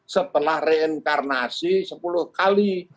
setelah reinkarnasi sepuluh kali